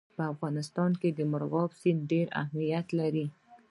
په افغانستان کې مورغاب سیند ډېر اهمیت لري.